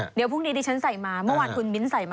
เดี๋ยวพรุ่งนี้ดิฉันใส่มาเมื่อวานคุณมิ้นใส่มา